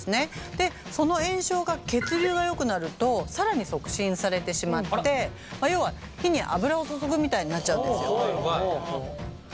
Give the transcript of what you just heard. でその炎症が血流がよくなると更に促進されてしまって要は火に油を注ぐみたいになっちゃうんですよ。